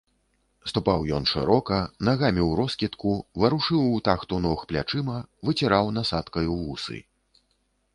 Ступаў ён шырока, нагамі ўроскідку, варушыў у тахту ног плячыма, выціраў насаткаю вусы.